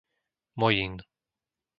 Mojín